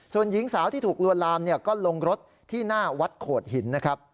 ส่วนหญิงสาวที่ถูกลวนลามก็ลงรถที่หน้าวัดโขดหินนะครับ